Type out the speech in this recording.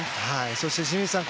そして清水さん。